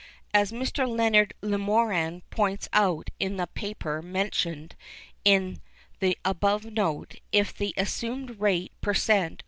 As Mr. Leonard Lemoran points out in the paper mentioned in the above note, if the assumed rate per cent.